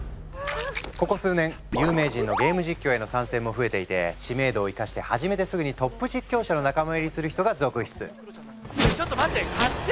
ここ数年有名人のゲーム実況への参戦も増えていて知名度を生かして始めてすぐにトップ実況者の仲間入りする人が続出。